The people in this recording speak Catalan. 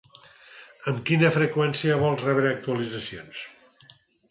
Amb quina freqüència vols rebre actualitzacions.